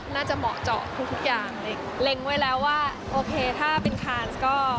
เหมาะเจาะทุกอย่างเลยเล็งไว้แล้วว่าโอเคถ้าเป็นคานก็